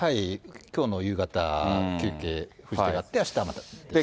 きょうの夕方休憩あって、あしたまたですね。